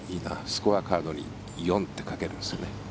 スコアカードに４って書けるんですね。